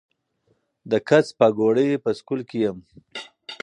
د کڅ پاګوړۍ پۀ سکول کښې يم